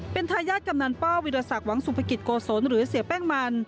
เป็นทายาทกำนันป้าวิรสักหวังสุภกิจโกศลหรือเสียแป้งมัน